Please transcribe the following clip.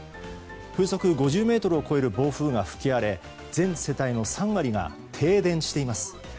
風速５０メートルを超える暴風が吹き荒れ全世帯の３割が停電しています。